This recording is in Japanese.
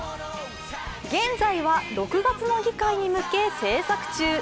現在は６月の議会に向け、制作中。